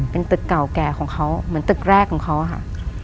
เป็นตึกเก่าแก่ของเขาเหมือนตึกแรกของเขาอะค่ะ